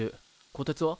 こてつは？